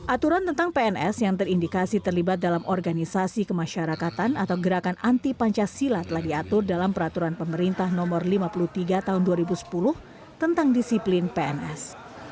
aturan tentang pns yang terindikasi terlibat dalam organisasi kemasyarakatan atau gerakan anti pancasila telah diatur dalam peraturan pemerintah nomor lima puluh tiga tahun dua ribu sepuluh tentang disiplin pns